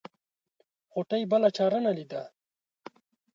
غوټۍ بله چاره نه ليده.